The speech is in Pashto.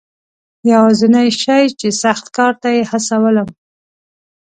یوازنی شی چې سخت کار ته یې هڅولم.